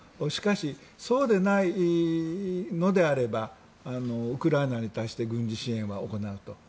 しかし、そうでないのであればウクライナに対して軍事支援は行うと。